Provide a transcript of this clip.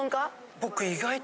僕意外と。